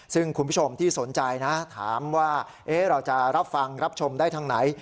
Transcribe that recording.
ซึ่งคุณผู้ชมที่สนใจนะถามว่าเราจะรับฟังรับชมได้ทางไหน